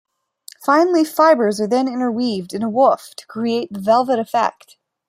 Fine leaf fibres are then interweaved in a woof to create the "velvet" effect.